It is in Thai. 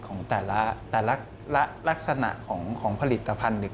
ของแต่ละลักษณะของผลิตภัณฑ์เนี่ย